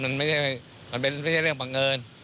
อ๋อมันไม่ใช่หรอกมันไม่ใช่เรื่องบังเงิน